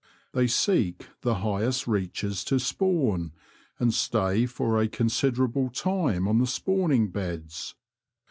They seek the highest reaches to spawn and stay for a considerable time on the spawning beds.